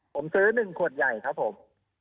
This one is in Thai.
ผมซื้อหนึ่งขวดใหญ่ครับผม